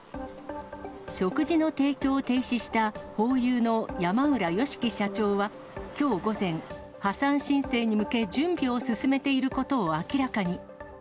食事の提供を停止した、ホーユーの山浦芳樹社長は、きょう午前、破産申請に向け準備を進めていることを明らかに。